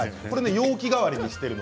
容器代わりにしています。